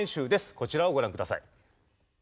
こちらをご覧ください。